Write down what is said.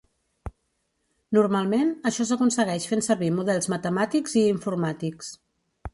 Normalment, això s'aconsegueix fent servir models matemàtics i informàtics.